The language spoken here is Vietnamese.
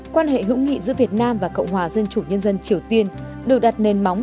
quan hệ hữu nghị giữa việt nam và cộng hòa dân chủ nhân dân triều tiên được đặt nền móng